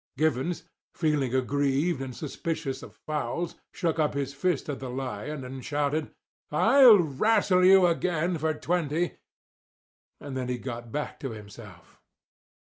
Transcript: Givens, feeling aggrieved, and suspicious of fouls, shook his fist at the lion, and shouted: "I'll rastle you again for twenty—" and then he got back to himself.